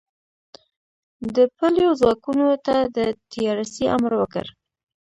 د پلیو ځواکونو ته د تیارسئ امر وکړ.